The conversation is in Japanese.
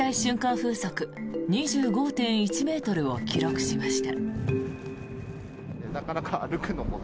風速２５．１ｍを記録しました。